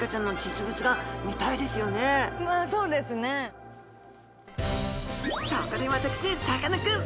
そこで私さかなクン